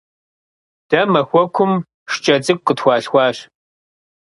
Дэ махуэкум шкӀэ цӀыкӀу къытхуалъхуащ.